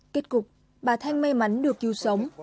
kết cục bà thanh may mắn được cứu sống